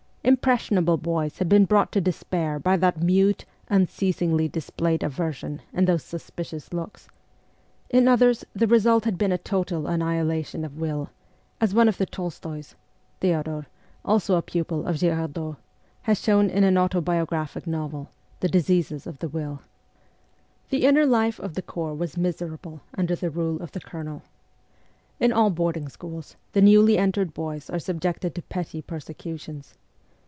Impressionable boys had been brought to de spair by that mute, unceasingly displayed aversion and those suspicious looks ; in others the result had been a total annihilation of will, as one of the Tolstoys Theodor, also a pupil of Girardot has shown in an autobiographic novel, the 'Diseases of the Will.' 88 MEMOIRS OF A REVOLUTIONIST The inner life of the corps was miserable under the rule of the Colonel. In all boarding schools the newly entered boys are subjected to petty persecutions.